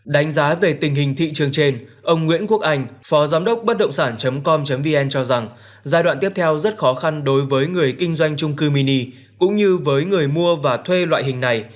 đánh giá về tình hình thị trường trên ông nguyễn quốc anh phó giám đốc bất động sản com vn cho rằng giai đoạn tiếp theo rất khó khăn đối với người kinh doanh trung cư mini cũng như với người mua và thuê loại hình này